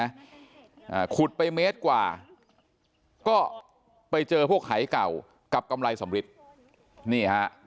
อ่าขุดไปเมตรกว่าก็ไปเจอพวกหายเก่ากับกำไรสำริทนี่ฮะ